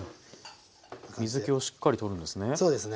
水けをしっかり取るんですね。